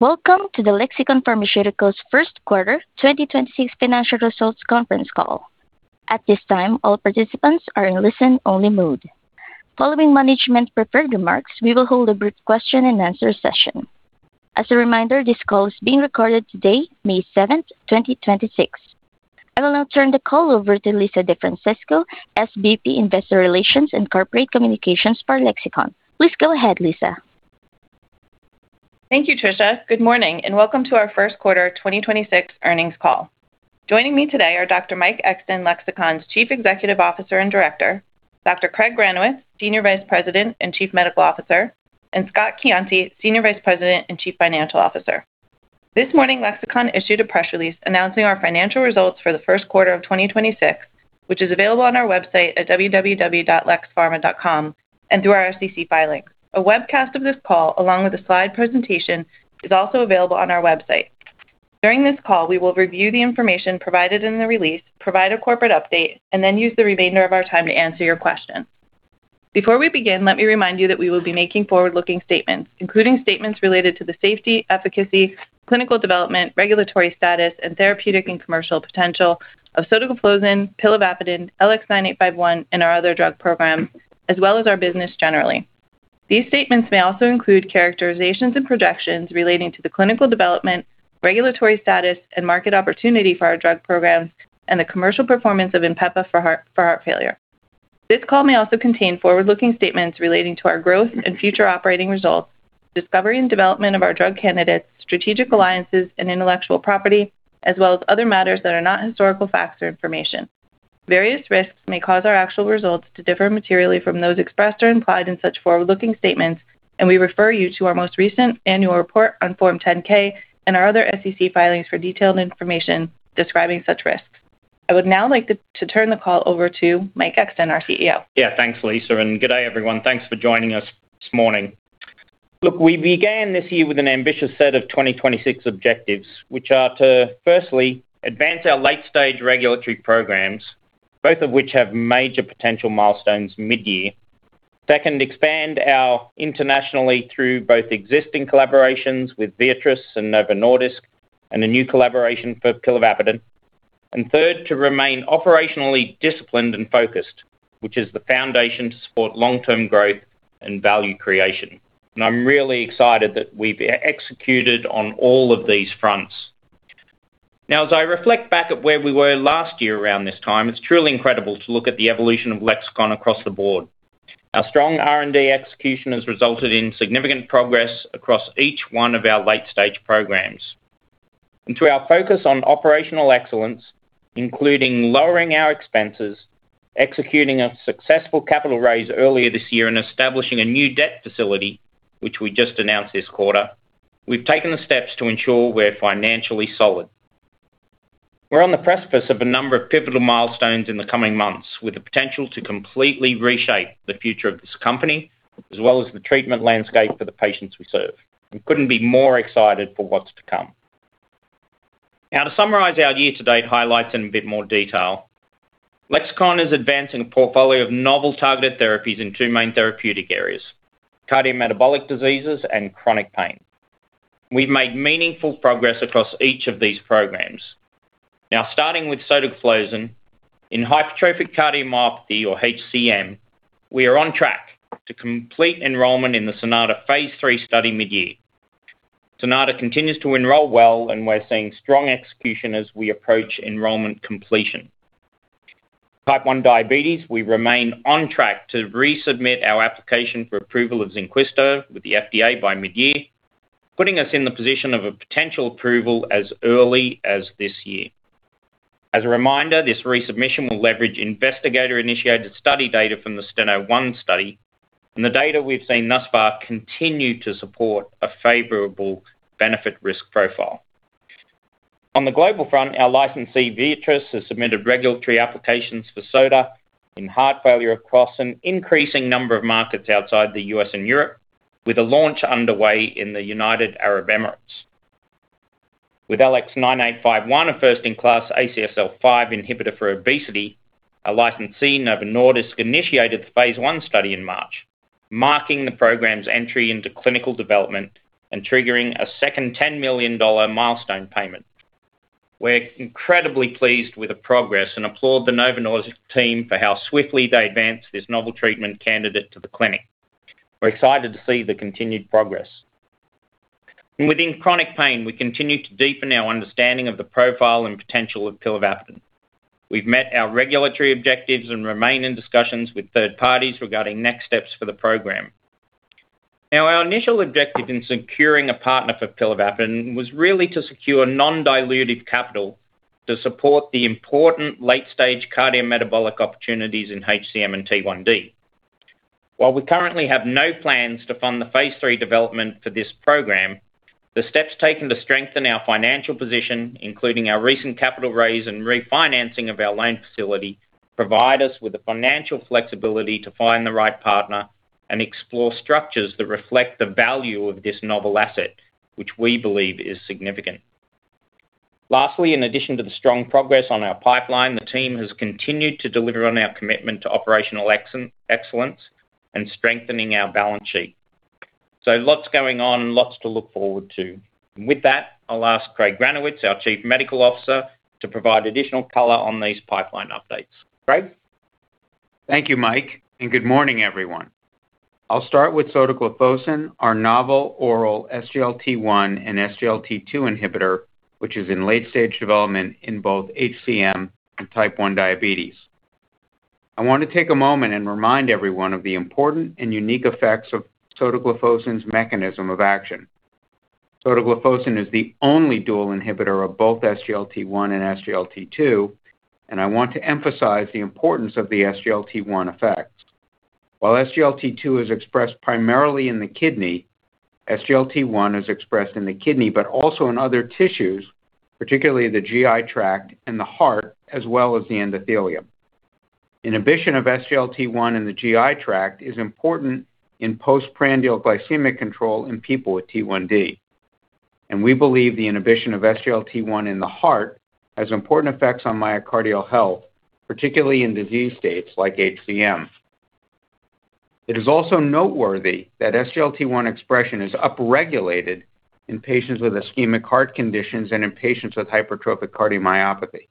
Welcome to the Lexicon Pharmaceuticals First Quarter 2026 Financial Results Conference Call. At this time, all participants are in listen-only mode. Following management prepared remarks, we will hold a brief question-and-answer session. As a reminder, this call is being recorded today, May 7th, 2026. I will now turn the call over to Lisa DeFrancesco, SVP, Investor Relations and Corporate Communications for Lexicon. Please go ahead, Lisa. Thank you, Trisha. Good morning. Welcome to our first quarter 2026 earnings call. Joining me today are Dr. Mike Exton, Lexicon's Chief Executive Officer and Director, Dr. Craig Granowitz, Senior Vice President and Chief Medical Officer, and Scott Coiante, Senior Vice President and Chief Financial Officer. This morning, Lexicon issued a press release announcing our financial results for the first quarter of 2026, which is available on our website at www.lexpharma.com and through our SEC filings. A webcast of this call along with a slide presentation is also available on our website. During this call, we will review the information provided in the release, provide a corporate update, and then use the remainder of our time to answer your questions. Before we begin, let me remind you that we will be making forward-looking statements, including statements related to the safety, efficacy, clinical development, regulatory status, and therapeutic and commercial potential of sotagliflozin, pilavapadin, LX9851, and our other drug programs, as well as our business generally. These statements may also include characterizations and projections relating to the clinical development, regulatory status, and market opportunity for our drug programs and the commercial performance of INPEFA for heart failure. This call may also contain forward-looking statements relating to our growth and future operating results, discovery and development of our drug candidates, strategic alliances and intellectual property, as well as other matters that are not historical facts or information. Various risks may cause our actual results to differ materially from those expressed or implied in such forward-looking statements, and we refer you to our most recent annual report on Form 10-K and our other SEC filings for detailed information describing such risks. I would now like to turn the call over to Mike Exton, our CEO. Yeah. Thanks, Lisa. Good day, everyone. Thanks for joining us this morning. Look, we began this year with an ambitious set of 2026 objectives, which are to firstly advance our late-stage regulatory programs, both of which have major potential milestones mid-year. Second, expand our internationally through both existing collaborations with Viatris and Novo Nordisk and a new collaboration for pilavapadin. Third, to remain operationally disciplined and focused, which is the foundation to support long-term growth and value creation. I'm really excited that we've executed on all of these fronts. Now, as I reflect back at where we were last year around this time, it's truly incredible to look at the evolution of Lexicon across the board. Our strong R&D execution has resulted in significant progress across each one of our late-stage programs. Through our focus on operational excellence, including lowering our expenses, executing a successful capital raise earlier this year, and establishing a new debt facility, which we just announced this quarter, we've taken the steps to ensure we're financially solid. We're on the precipice of a number of pivotal milestones in the coming months with the potential to completely reshape the future of this company, as well as the treatment landscape for the patients we serve. We couldn't be more excited for what's to come. To summarize our year-to-date highlights in a bit more detail. Lexicon is advancing a portfolio of novel targeted therapies in two main therapeutic areas, cardiometabolic diseases and chronic pain. We've made meaningful progress across each of these programs. Starting with sotagliflozin in hypertrophic cardiomyopathy or HCM, we are on track to complete enrollment in the SONATA phase III study mid-year. SONATA continues to enroll well, and we're seeing strong execution as we approach enrollment completion. Type 1 diabetes, we remain on track to resubmit our application for approval of ZYNQUISTA with the FDA by mid-year, putting us in the position of a potential approval as early as this year. As a reminder, this resubmission will leverage investigator-initiated study data from the STENO1 study, and the data we've seen thus far continue to support a favorable benefit risk profile. On the global front, our licensee, Viatris, has submitted regulatory applications for sota in heart failure across an increasing number of markets outside the U.S. and Europe, with a launch underway in the United Arab Emirates. With LX9851, a first-in-class ACSL5 inhibitor for obesity, our licensee, Novo Nordisk, initiated the phase I study in March, marking the program's entry into clinical development and triggering a second $10 million milestone payment. We're incredibly pleased with the progress and applaud the Novo Nordisk team for how swiftly they advanced this novel treatment candidate to the clinic. We're excited to see the continued progress. Within chronic pain, we continue to deepen our understanding of the profile and potential of pilavapadin. We've met our regulatory objectives and remain in discussions with third parties regarding next steps for the program. Now, our initial objective in securing a partner for pilavapadin was really to secure non-dilutive capital to support the important late-stage cardiometabolic opportunities in HCM and T1D. While we currently have no plans to fund the phase III development for this program, the steps taken to strengthen our financial position, including our recent capital raise and refinancing of our loan facility, provide us with the financial flexibility to find the right partner and explore structures that reflect the value of this novel asset, which we believe is significant. Lastly, in addition to the strong progress on our pipeline, the team has continued to deliver on our commitment to operational excellence and strengthening our balance sheet. Lots going on, lots to look forward to. With that, I'll ask Craig Granowitz, our Chief Medical Officer, to provide additional color on these pipeline updates. Craig? Thank you, Mike, and good morning, everyone. I'll start with sotagliflozin, our novel oral SGLT1 and SGLT2 inhibitor, which is in late-stage development in both HCM and Type 1 diabetes. I want to take a moment and remind everyone of the important and unique effects of sotagliflozin's mechanism of action. Sotagliflozin is the only dual inhibitor of both SGLT1 and SGLT2, and I want to emphasize the importance of the SGLT1 effect. While SGLT2 is expressed primarily in the kidney, SGLT1 is expressed in the kidney, but also in other tissues, particularly the GI tract and the heart, as well as the endothelium. Inhibition of SGLT1 in the GI tract is important in postprandial glycemic control in people with T1D, and we believe the inhibition of SGLT1 in the heart has important effects on myocardial health, particularly in disease states like HCM. It is also noteworthy that SGLT1 expression is upregulated in patients with ischemic heart conditions and in patients with hypertrophic cardiomyopathy.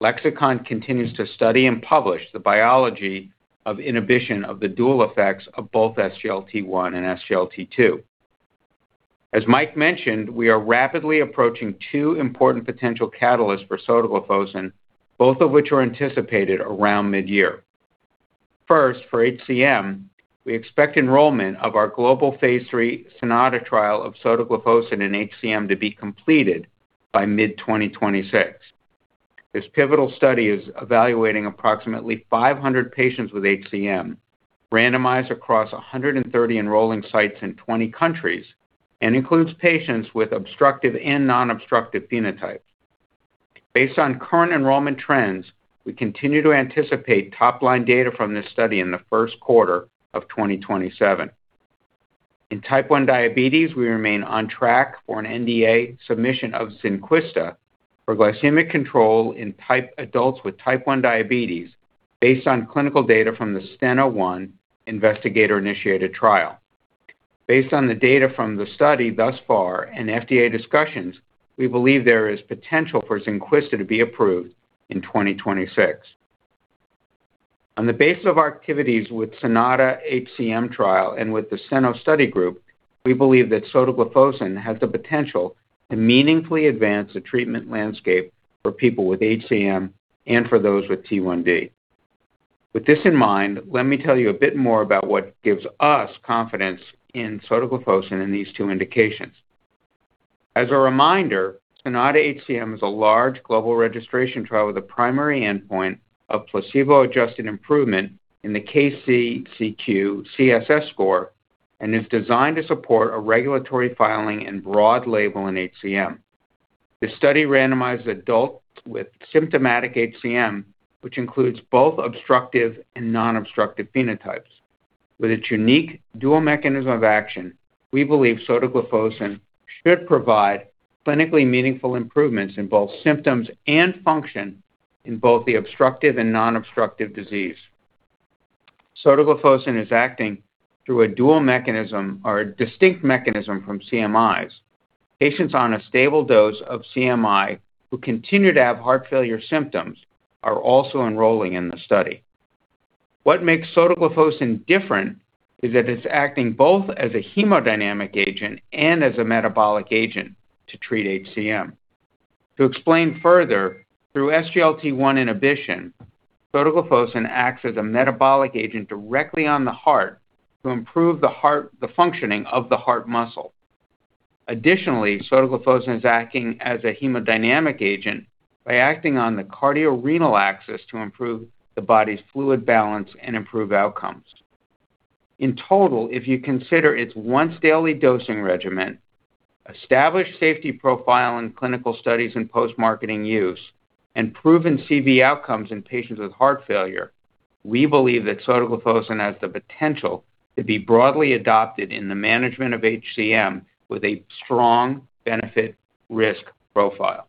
Lexicon continues to study and publish the biology of inhibition of the dual effects of both SGLT1 and SGLT2. As Mike mentioned, we are rapidly approaching two important potential catalysts for sotagliflozin, both of which are anticipated around mid-year. First, for HCM, we expect enrollment of our global phase III SONATA trial of sotagliflozin in HCM to be completed by mid-2026. This pivotal study is evaluating approximately 500 patients with HCM randomized across 130 enrolling sites in 20 countries and includes patients with obstructive and non-obstructive phenotypes. Based on current enrollment trends, we continue to anticipate top-line data from this study in the first quarter of 2027. In Type 1 diabetes, we remain on track for an NDA submission of ZYNQUISTA for glycemic control in adults with type 1 diabetes based on clinical data from the STENO1 investigator-initiated trial. Based on the data from the study thus far and FDA discussions, we believe there is potential for ZYNQUISTA to be approved in 2026. On the base of our activities with SONATA-HCM trial and with the STENO study group, we believe that sotagliflozin has the potential in meaningfully advance the treatment landscape for people with HCM and for those with T1D. With this in mind, let me tell you a bit more about what gives us confidence in sotagliflozin in these two indications. As a reminder, SONATA-HCM is a large global registration trial with a primary endpoint of placebo-adjusted improvement in the KCCQ-CSS score and is designed to support a regulatory filing and broad label in HCM. The study randomized adults with symptomatic HCM, which includes both obstructive and non-obstructive phenotypes. With its unique dual mechanism of action, we believe sotagliflozin should provide clinically meaningful improvements in both symptoms and function in both the obstructive and non-obstructive disease. Sotagliflozin is acting through a dual mechanism or a distinct mechanism from CMIs. Patients on a stable dose of CMI who continue to have heart failure symptoms are also enrolling in the study. What makes sotagliflozin different is that it's acting both as a hemodynamic agent and as a metabolic agent to treat HCM. To explain further, through SGLT1 inhibition, sotagliflozin acts as a metabolic agent directly on the heart to improve the heart, the functioning of the heart muscle. Additionally, sotagliflozin is acting as a hemodynamic agent by acting on the cardiorenal axis to improve the body's fluid balance and improve outcomes. In total, if you consider its once-daily dosing regimen, established safety profile in clinical studies and post-marketing use, and proven CV outcomes in patients with heart failure, we believe that sotagliflozin has the potential to be broadly adopted in the management of HCM with a strong benefit-risk profile.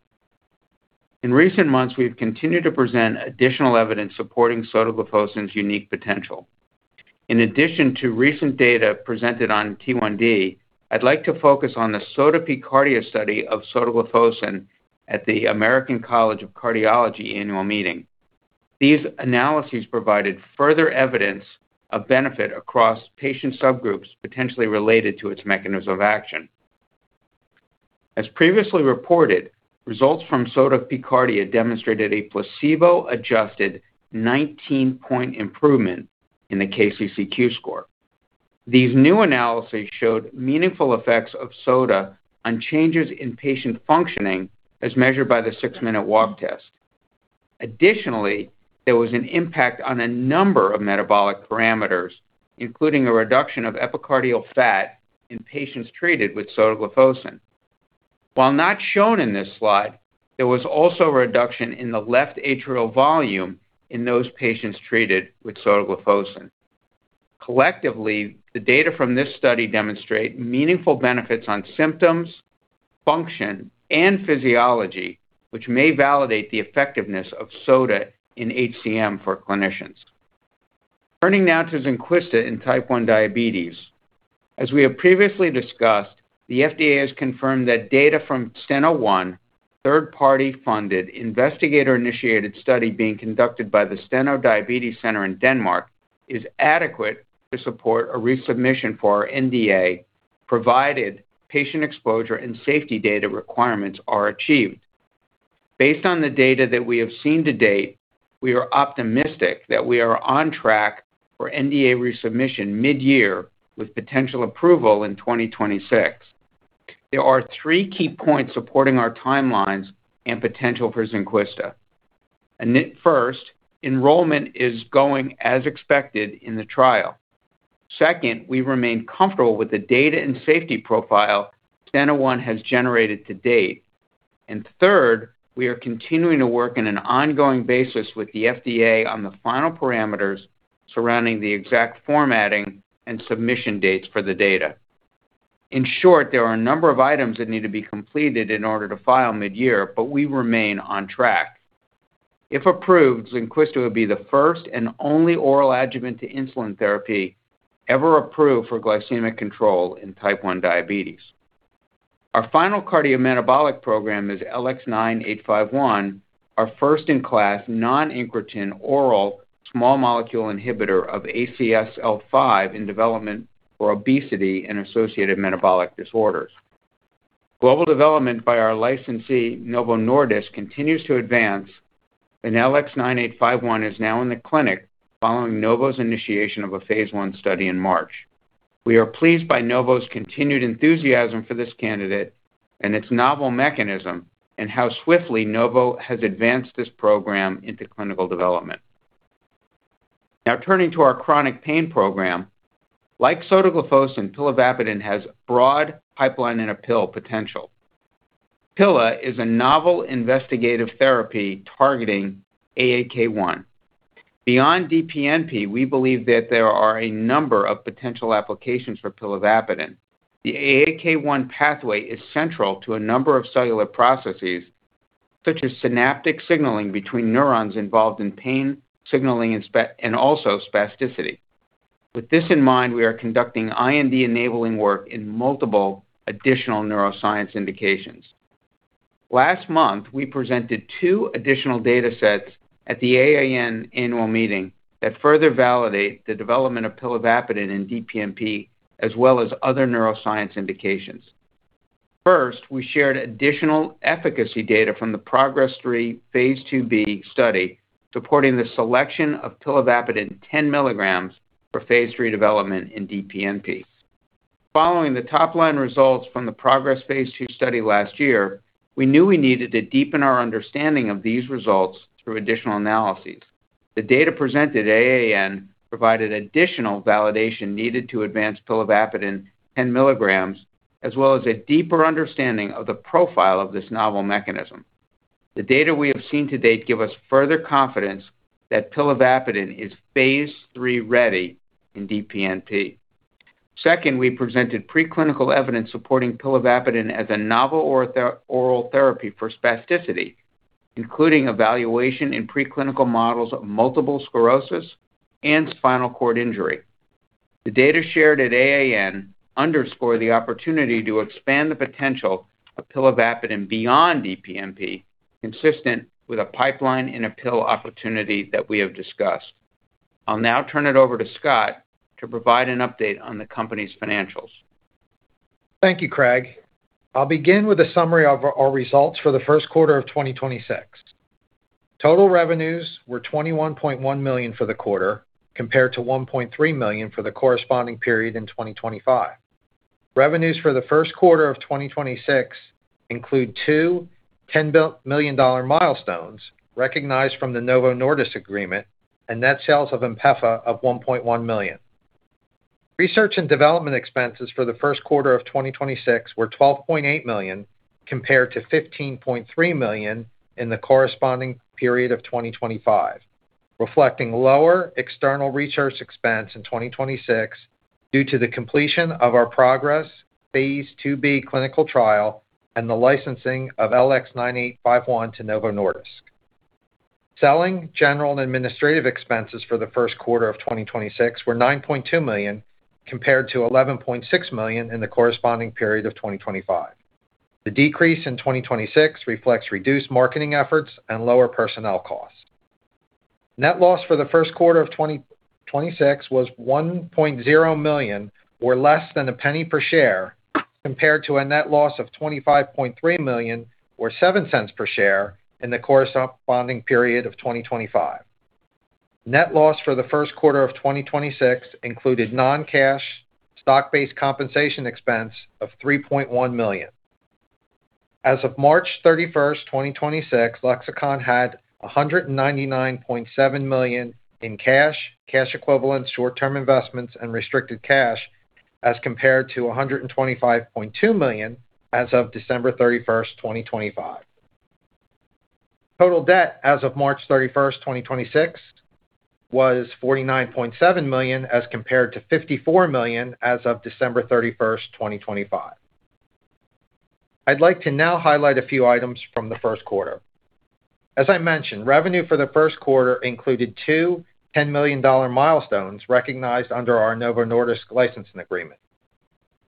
In recent months, we've continued to present additional evidence supporting sotagliflozin's unique potential. In addition to recent data presented on T1D, I'd like to focus on the SOTA-P-CARDIA study of sotagliflozin at the American College of Cardiology Annual Meeting. These analyses provided further evidence of benefit across patient subgroups potentially related to its mechanism of action. As previously reported, results from SOTA-P-CARDIA demonstrated a placebo-adjusted 19-point improvement in the KCCQ score. These new analyses showed meaningful effects of sota on changes in patient functioning as measured by the six-minute walk test. Additionally, there was an impact on a number of metabolic parameters, including a reduction of epicardial fat in patients treated with sotagliflozin. While not shown in this slide, there was also a reduction in the left atrial volume in those patients treated with sotagliflozin. Collectively, the data from this study demonstrate meaningful benefits on symptoms, function, and physiology, which may validate the effectiveness of sota in HCM for clinicians. Turning now to ZYNQUISTA in type 1 diabetes. As we have previously discussed, the FDA has confirmed that data from STENO1, third-party funded investigator-initiated study being conducted by the Steno Diabetes Center in Denmark, is adequate to support a resubmission for our NDA, provided patient exposure and safety data requirements are achieved. Based on the data that we have seen to date, we are optimistic that we are on track for NDA resubmission mid-year with potential approval in 2026. There are three key points supporting our timelines and potential for ZYNQUISTA. First, enrollment is going as expected in the trial. Second, we remain comfortable with the data and safety profile STENO1 has generated to date. And third, we are continuing to work in an ongoing basis with the FDA on the final parameters surrounding the exact formatting and submission dates for the data. In short, there are a number of items that need to be completed in order to file mid-year, but we remain on track. If approved, ZYNQUISTA would be the first and only oral adjuvant to insulin therapy ever approved for glycemic control in type 1 diabetes. Our final cardiometabolic program is LX9851, our first-in-class, non-incretin oral, small-molecule inhibitor of ACSL5 in development for obesity and associated metabolic disorders. Global development by our licensee, Novo Nordisk, continues to advance, and LX9851 is now in the clinic following Novo's initiation of a phase I study in March. We are pleased by Novo's continued enthusiasm for this candidate and its novel mechanism, and how swiftly Novo has advanced this program into clinical development. Now turning to our chronic pain program. Like sotagliflozin, pilavapadin has broad pipeline in a pill potential. Pila is a novel investigative therapy targeting AAK1. Beyond DPNP, we believe that there are a number of potential applications for pilavapadin. The AAK1 pathway is central to a number of cellular processes, such as synaptic signaling between neurons involved in pain signaling and also spasticity. With this in mind, we are conducting IND enabling work in multiple additional neuroscience indications. Last month, we presented two additional data sets at the AAN Annual Meeting that further validate the development of pilavapadin in DPNP, as well as other neuroscience indications. First, we shared additional efficacy data from the PROGRESS [III], phase II-B study supporting the selection of pilavapadin 10 mg for phase III development in DPNP. Following the top line results from the PROGRESS phase II study last year, we knew we needed to deepen our understanding of these results through additional analyses. The data presented at AAN provided additional validation needed to advance pilavapadin 10 mg, as well as a deeper understanding of the profile of this novel mechanism. The data we have seen to date give us further confidence that pilavapadin is phase III-ready in DPNP. Second, we presented preclinical evidence supporting pilavapadin as a novel oral therapy for spasticity, including evaluation in preclinical models of multiple sclerosis and spinal cord injury. The data shared at AAN underscore the opportunity to expand the potential of pilavapadin beyond DPNP, consistent with a pipeline in a pill opportunity that we have discussed. I'll now turn it over to Scott to provide an update on the company's financials. Thank you, Craig. I'll begin with a summary of our results for the first quarter of 2026. Total revenues were $21.1 million for the quarter, compared to $1.3 million for the corresponding period in 2025. Revenues for the first quarter of 2026 include two $10 million dollar milestones recognized from the Novo Nordisk agreement and net sales of INPEFA of $1.1 million. Research and development expenses for the first quarter of 2026 were $12.8 million, compared to $15.3 million in the corresponding period of 2025, reflecting lower external research expense in 2026 due to the completion of our PROGRESS phase II-B clinical trial and the licensing of LX9851 to Novo Nordisk. Selling general and administrative expenses for the first quarter of 2026 were $9.2 million, compared to $11.6 million in the corresponding period of 2025. The decrease in 2026 reflects reduced marketing efforts and lower personnel costs. Net loss for the first quarter of 2026 was $1.0 million, or less than $0.01 per share, compared to a net loss of $25.3 million, or $0.07 per share in the corresponding period of 2025. Net loss for the first quarter of 2026 included non-cash stock-based compensation expense of $3.1 million. As of March 31st, 2026, Lexicon had $199.7 million in cash equivalents, short-term investments, and restricted cash, as compared to $125.2 million as of December 31st, 2025. Total debt as of March 31st, 2026, was $49.7 million, as compared to $54 million as of December 31st, 2025. I'd like to now highlight a few items from the first quarter. As I mentioned, revenue for the first quarter included two $10 million milestones recognized under our Novo Nordisk licensing agreement.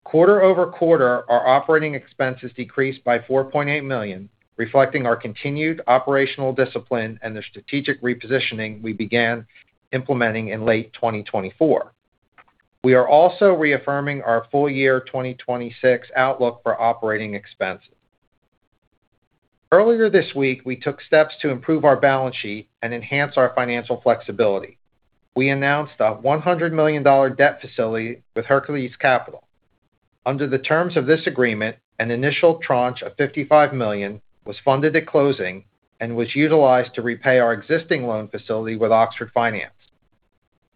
Quarter-over-quarter, our operating expenses decreased by $4.8 million, reflecting our continued operational discipline and the strategic repositioning we began implementing in late 2024. We are also reaffirming our full year 2026 outlook for operating expenses. Earlier this week, we took steps to improve our balance sheet and enhance our financial flexibility. We announced a $100 million debt facility with Hercules Capital. Under the terms of this agreement, an initial tranche of $55 million was funded at closing and was utilized to repay our existing loan facility with Oxford Finance.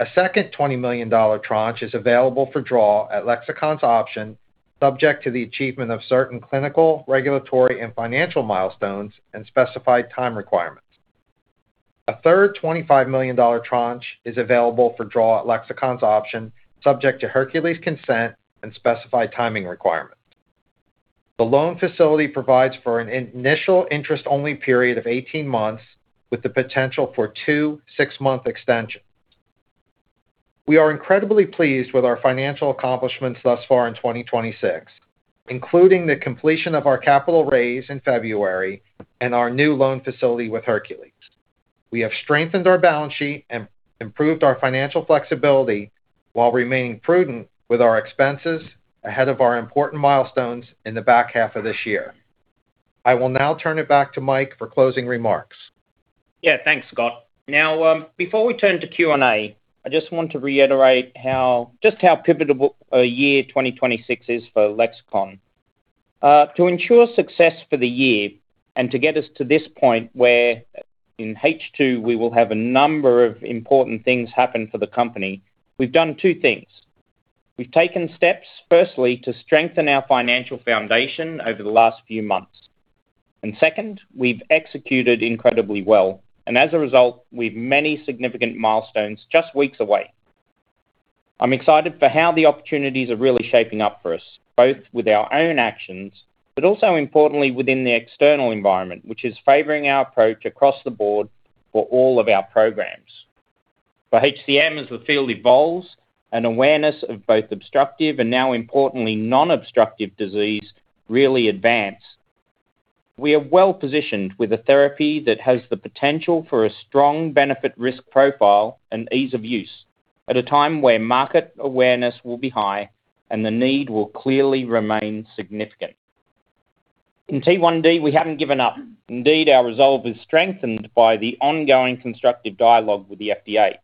A second $20 million tranche is available for draw at Lexicon's option, subject to the achievement of certain clinical, regulatory, and financial milestones and specified time requirements. A third $25 million tranche is available for draw at Lexicon's option, subject to Hercules consent and specified timing requirements. The loan facility provides for an initial interest-only period of 18 months with the potential for two six-month extensions. We are incredibly pleased with our financial accomplishments thus far in 2026, including the completion of our capital raise in February and our new loan facility with Hercules. We have strengthened our balance sheet and improved our financial flexibility while remaining prudent with our expenses ahead of our important milestones in the back half of this year. I will now turn it back to Mike for closing remarks. Yeah. Thanks, Scott. Before we turn to Q&A, I just want to reiterate just how pivotal a year 2026 is for Lexicon. To ensure success for the year and to get us to this point where in H2 we will have a number of important things happen for the company, we've done two things. We've taken steps, firstly, to strengthen our financial foundation over the last few months. Second, we've executed incredibly well, and as a result, we have many significant milestones just weeks away. I'm excited for how the opportunities are really shaping up for us, both with our own actions but also importantly within the external environment, which is favoring our approach across the board for all of our programs. For HCM, as the field evolves, an awareness of both obstructive and now importantly non-obstructive disease really advance. We are well-positioned with a therapy that has the potential for a strong benefit risk profile and ease of use at a time where market awareness will be high and the need will clearly remain significant. In T1D, we haven't given up. Indeed, our resolve is strengthened by the ongoing constructive dialogue with the FDA.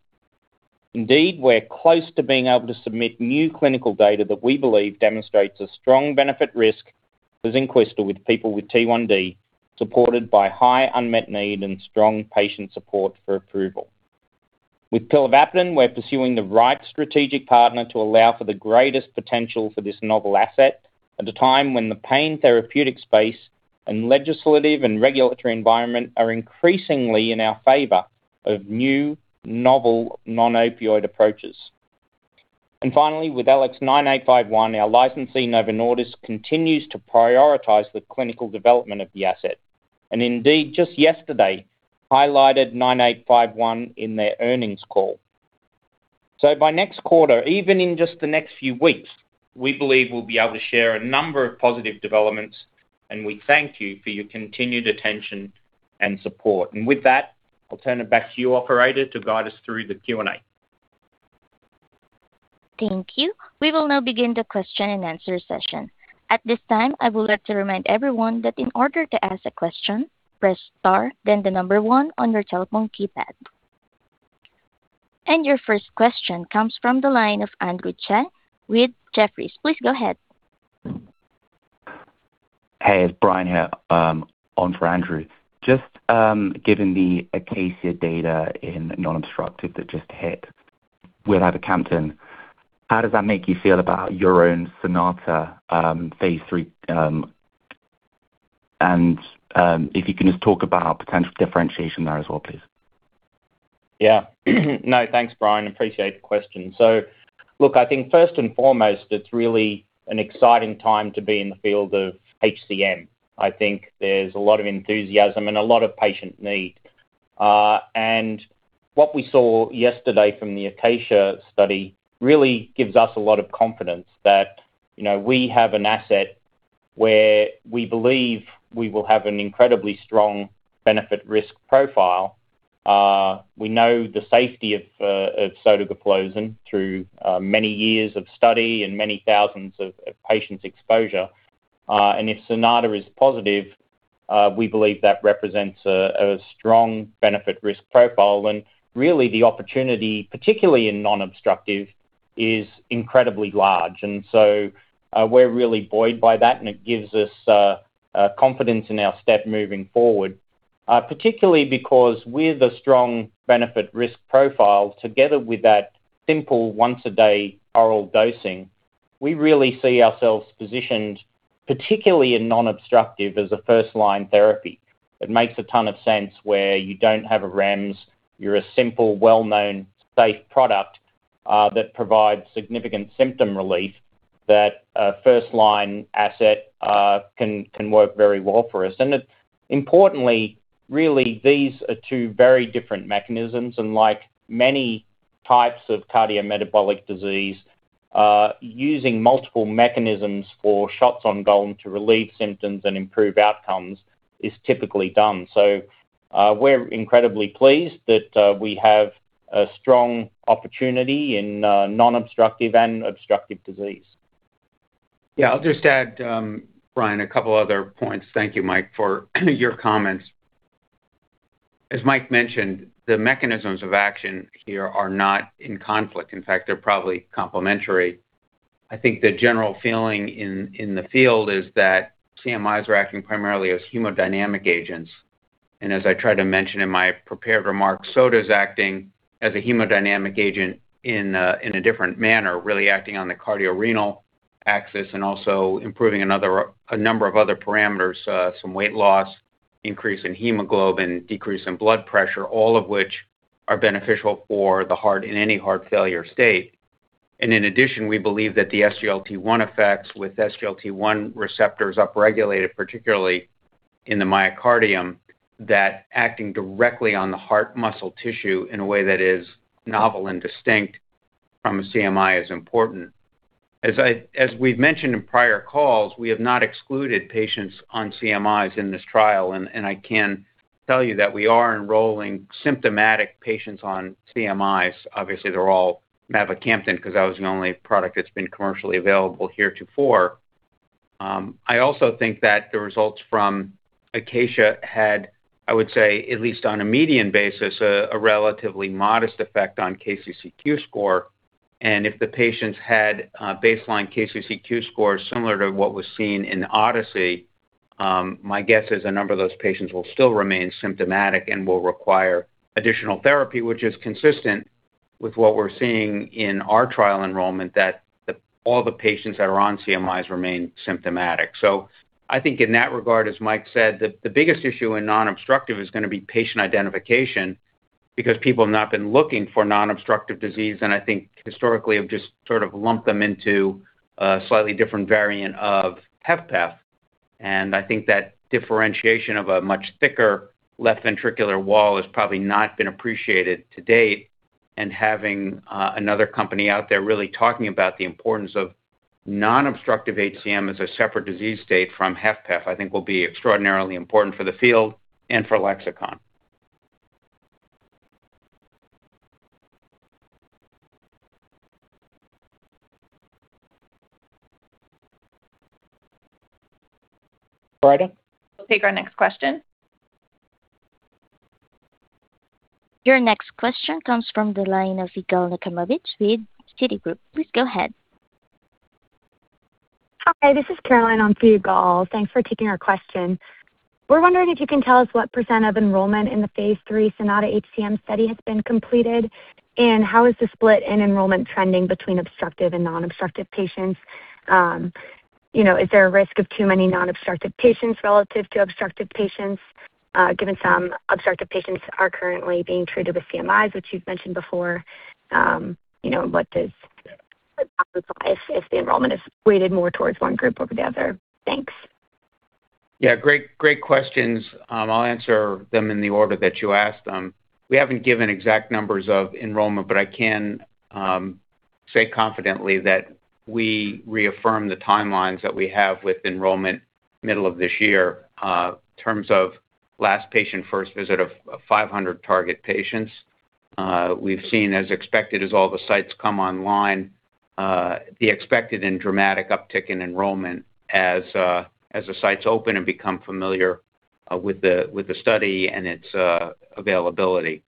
Indeed, we're close to being able to submit new clinical data that we believe demonstrates a strong benefit risk for ZYNQUISTA with people with T1D, supported by high unmet need and strong patient support for approval. With pilavapadin, we're pursuing the right strategic partner to allow for the greatest potential for this novel asset at a time when the pain therapeutic space and legislative and regulatory environment are increasingly in our favor of new novel non-opioid approaches. Finally, with LX9851, our licensee, Novo Nordisk, continues to prioritize the clinical development of the asset and indeed just yesterday highlighted 9851 in their earnings call. By next quarter, even in just the next few weeks, we believe we'll be able to share a number of positive developments, and we thank you for your continued attention and support. With that, I'll turn it back to you, operator, to guide us through the Q&A. Thank you. We will now begin the question-and-answer session. At this time, I would like to remind everyone that in order to ask a question, press star then the number one on your telephone keypad. Your first question comes from the line of Andrew Tsai with Jefferies. Please go ahead. Hey, it's Brian here, on for Andrew. Just given the ACACIA data in non-obstructive that just hit with aficamten, how does that make you feel about your own SONATA, phase III, and if you can just talk about potential differentiation there as well, please? No, thanks, Brian. Appreciate the question. I think first and foremost, it's really an exciting time to be in the field of HCM. I think there's a lot of enthusiasm and a lot of patient need. What we saw yesterday from the ACACIA study really gives us a lot of confidence that, you know, we have an asset where we believe we will have an incredibly strong benefit risk profile. We know the safety of sotagliflozin through many years of study and many thousands of patient exposure. If SONATA is positive, we believe that represents a strong benefit risk profile. Really the opportunity, particularly in non-obstructive, is incredibly large. And so, we're really buoyed by that, and it gives us confidence in our step moving forward, particularly because with a strong benefit risk profile together with that simple once-a-day oral dosing. We really see ourselves positioned, particularly in non-obstructive as a first-line therapy. It makes a ton of sense where you don't have a REMS. You're a simple, well-known, safe product that provides significant symptom relief that a first-line asset can work very well for us. Importantly, really, these are two very different mechanisms, and like many types of cardiometabolic disease, using multiple mechanisms for shots on goal to relieve symptoms and improve outcomes is typically done. We're incredibly pleased that we have a strong opportunity in non-obstructive and obstructive disease. Yeah. I'll just add, Brian, a couple other points. Thank you, Mike, for your comments. As Mike mentioned, the mechanisms of action here are not in conflict. In fact, they're probably complementary. I think the general feeling in the field is that CMIs are acting primarily as hemodynamic agents. As I tried to mention in my prepared remarks, sota's acting as a hemodynamic agent in a different manner, really acting on the cardiorenal axis and also improving a number of other parameters, some weight loss, increase in hemoglobin, decrease in blood pressure, all of which are beneficial for the heart in any heart failure state. In addition, we believe that the SGLT1 effects with SGLT1 receptors upregulated, particularly in the myocardium, that acting directly on the heart muscle tissue in a way that is novel and distinct from a CMI is important. As we've mentioned in prior calls, we have not excluded patients on CMIs in this trial, and I can tell you that we are enrolling symptomatic patients on CMIs. Obviously, they're all mavacamten because that was the only product that's been commercially available heretofore. I also think that the results from ACACIA had, I would say, at least on a median basis, a relatively modest effect on KCCQ score. If the patients had baseline KCCQ scores similar to what was seen in ODYSSEY, my guess is a number of those patients will still remain symptomatic and will require additional therapy, which is consistent with what we're seeing in our trial enrollment that all the patients that are on CMIs remain symptomatic. I think in that regard, as Mike said, the biggest issue in non-obstructive is gonna be patient identification because people have not been looking for non-obstructive disease, and I think historically have just sort of lumped them into a slightly different variant of HFpEF. I think that differentiation of a much thicker left ventricular wall has probably not been appreciated to date. Having another company out there really talking about the importance of non-obstructive HCM as a separate disease state from HFpEF, I think will be extraordinarily important for the field and for Lexicon. Operator. We'll take our next question. Your next question comes from the line of Yigal Nochomovitz with Citigroup. Please go ahead. Hi, this is Caroline on for Yigal. Thanks for taking our question. We're wondering if you can tell us what percent of enrollment in the phase III SONATA-HCM study has been completed, and how is the split in enrollment trending between obstructive and non-obstructive patients? You know, is there a risk of too many non-obstructive patients relative to obstructive patients, given some obstructive patients are currently being treated with CMIs, which you've mentioned before? You know, what if the enrollment is weighted more towards one group over the other? Thanks. Yeah, great questions. I'll answer them in the order that you asked them. We haven't given exact numbers of enrollment, but I can say confidently that we reaffirm the timelines that we have with enrollment middle of this year, in terms of last patient first visit of 500 target patients. We've seen as expected as all the sites come online, the expected and dramatic uptick in enrollment as the sites open and become familiar with the study and its availability.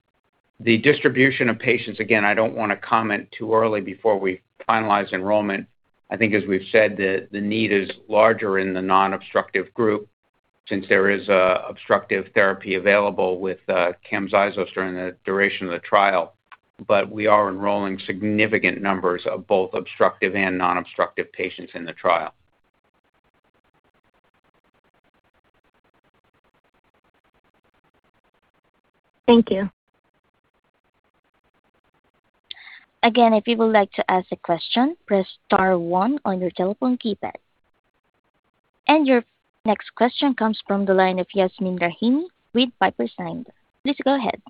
The distribution of patients, again, I don't wanna comment too early before we finalize enrollment. I think as we've said, the need is larger in the non-obstructive group since there is obstructive therapy available with CAMZYOS during the duration of the trial. But, we are enrolling significant numbers of both obstructive and non-obstructive patients in the trial. Thank you. Again, if you would like to ask a question, press star one on your telephone keypad. Your next question comes from the line of Yasmeen Rahimi with Piper Sandler. Please go ahead.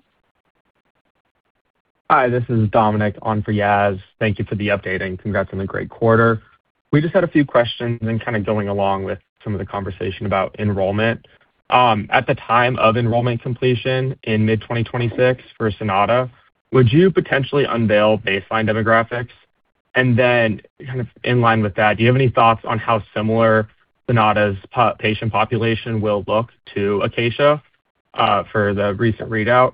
Hi, this is Dominic on for Yas. Thank you for the update and congrats on the great quarter. We just had a few questions kind of going along with some of the conversation about enrollment. At the time of enrollment completion in mid-2026 for SONATA, would you potentially unveil baseline demographics? And then, in line with that, do you have any thoughts on how similar SONATA-HCM's patient population will look to ACACIA for the recent readout?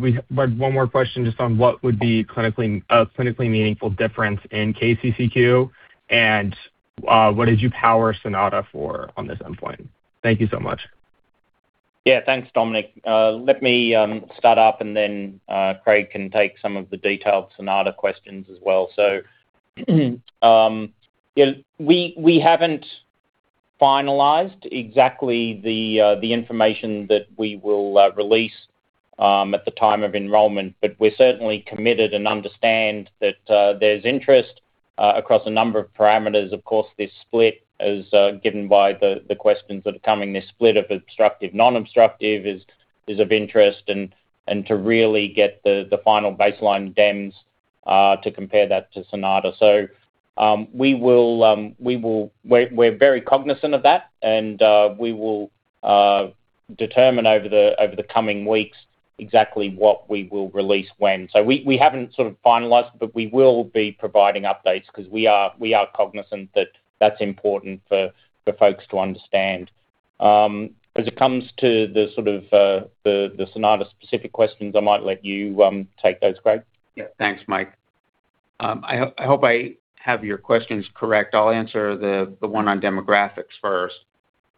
We have like one more question just on what would be a clinically meaningful difference in KCCQ? And, what did you power SONATA for on this endpoint? Thank you so much. Yeah. Thanks, Dominic. Let me start up. Craig can take some of the detailed SONATA questions as well. Yeah, we haven't finalized exactly the information that we will release at the time of enrollment, but we're certainly committed and understand that there's interest across a number of parameters. Of course, this split is given by the questions that are coming. This split of obstructive/non-obstructive is of interest and to really get the final baseline DEMS to compare that to SONATA. We will, we're very cognizant of that, and we will determine over the coming weeks exactly what we will release when. We haven't sort of finalized, but we will be providing updates 'cause we are cognizant that that's important for folks to understand. As it comes to the sort of the SONATA-specific questions, I might let you take those, Craig. Thanks, Mike. I hope I have your questions correct. I'll answer the one on demographics first.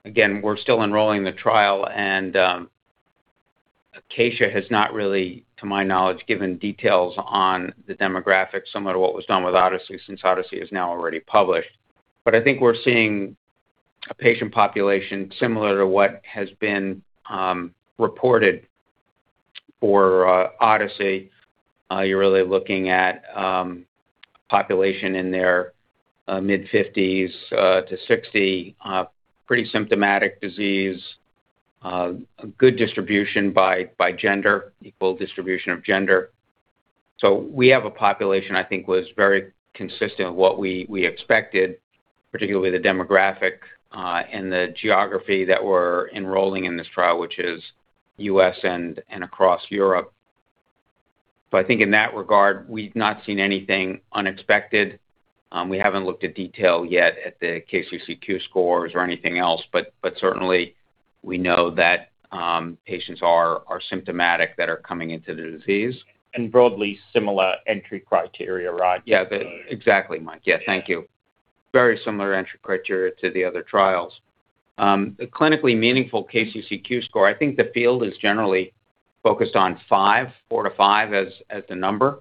We're still enrolling the trial and ACACIA has not really, to my knowledge, given details on the demographics, similar to what was done with ODYSSEY since ODYSSEY is now already published. I think we're seeing a patient population similar to what has been reported for ODYSSEY. You're really looking at population in their mid-50s to 60, pretty symptomatic disease, a good distribution by gender, equal distribution of gender. We have a population I think was very consistent with what we expected, particularly the demographic and the geography that we're enrolling in this trial, which is U.S. and across Europe. I think in that regard, we've not seen anything unexpected. We haven't looked at detail yet at the KCCQ scores or anything else, but certainly we know that patients are symptomatic that are coming into the disease. Broadly similar entry criteria, right? Yeah. Exactly, Mike. Yeah. Thank you. Very similar entry criteria to the other trials. A clinically meaningful KCCQ score, I think the field is generally focused on five, four to five as the number.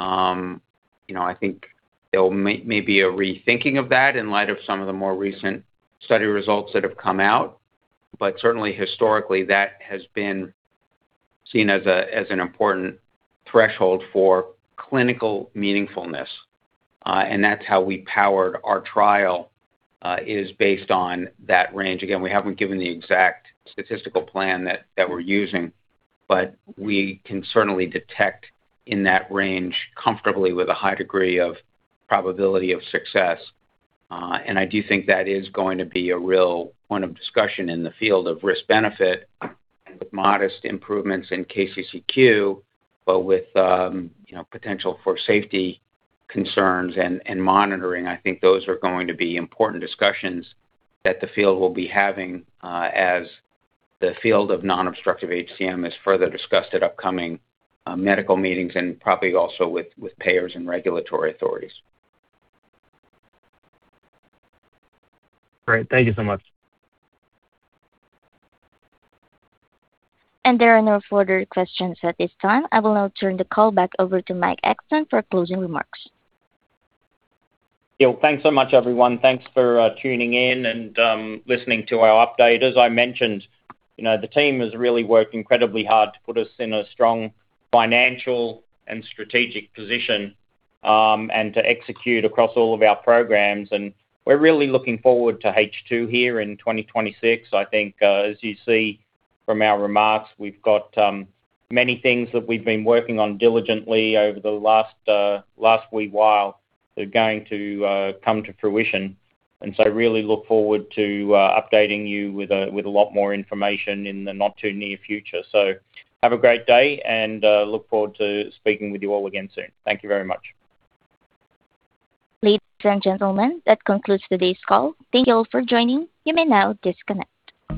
You know, I think there may be a rethinking of that in light of some of the more recent study results that have come out. Certainly historically, that has been seen as an important threshold for clinical meaningfulness. That's how we powered our trial is based on that range. Again, we haven't given the exact statistical plan that we're using, but we can certainly detect in that range comfortably with a high degree of probability of success. I do think that is going to be a real point of discussion in the field of risk-benefit and with modest improvements in KCCQ, but with, you know, potential for safety concerns and monitoring. I think those are going to be important discussions that the field will be having, as the field of non-obstructive HCM is further discussed at upcoming medical meetings and probably also with payers and regulatory authorities. Great. Thank you so much. There are no further questions at this time. I will now turn the call back over to Mike Exton for closing remarks. Yeah. Thanks so much, everyone. Thanks for tuning in and listening to our update. As I mentioned, you know, the team has really worked incredibly hard to put us in a strong financial and strategic position and to execute across all of our programs. We're really looking forward to H2 here in 2026. I think as you see from our remarks, we've got many things that we've been working on diligently over the last wee while. They're going to come to fruition. Really look forward to updating you with a lot more information in the not-too-near future. Have a great day and look forward to speaking with you all again soon. Thank you very much. Ladies and gentlemen, that concludes today's call. Thank you all for joining. You may now disconnect.